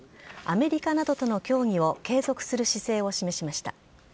アメリカなどとの協議を継続する姿勢を示しました。